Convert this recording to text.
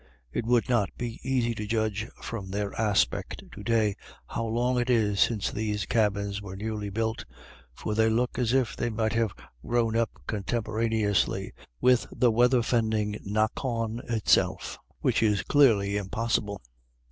It would not be easy to judge from their aspect to day how long it is since these cabins were newly built, for they look as if they might have grown up contemporaneously with the weather fending knockawn itself, which is clearly impossible.